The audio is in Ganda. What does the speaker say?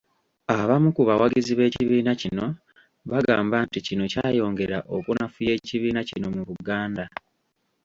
Abamu ku bawagizi b'ekibiina kino bagamba nti kino kyayongera okunafuya ekibiina kino mu Buganda.